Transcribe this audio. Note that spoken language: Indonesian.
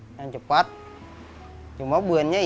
semakin ada yang masuk yang cepat